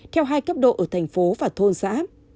theo hai cấp độ ở thành phố và thôn xã